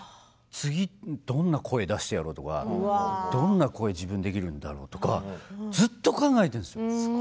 次どんな声を出してやろうとかどんな声ができるんだろうとかずっと考えているんですよ。